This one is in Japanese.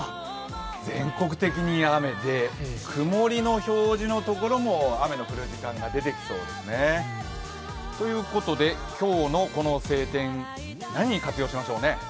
全国的に雨で、曇りの表示のところも雨の降る時間帯が出てきそうですね。ということで今日の晴天、何に活用しましょうね？